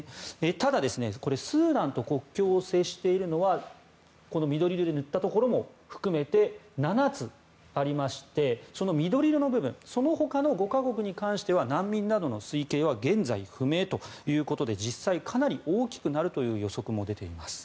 ただスーダンと国境を接しているのはこの緑色で塗ったところも含めて７つありましてその緑色の部分そのほかの５か国については難民などの推計は現在不明ということで実際、かなり大きくなるという予測も出ています。